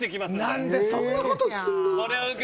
何でそんなことすんねん。